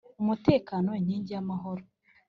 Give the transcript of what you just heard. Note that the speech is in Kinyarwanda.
umutekano inkingi y’amahoro,